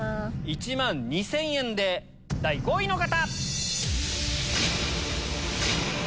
１万２０００円で第５位の方！